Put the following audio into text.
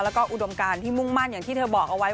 แล้วก็อุดมการที่มุ่งมั่นอย่างที่เธอบอกเอาไว้